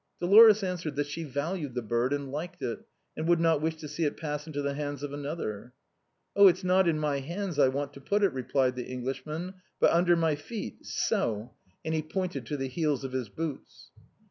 Dolores answered that she valued the bird, and liked it, and would not wish to see it pass into the hands of another. " Oh ! it's not in my hands I want to put it," replied the Englishman, " but under my feet — so —;" and he pointed to the heels of his boots.